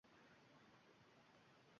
Men qaytdim, – pichirladi nevara.